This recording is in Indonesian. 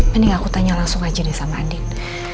mending aku tanya langsung aja deh sama adik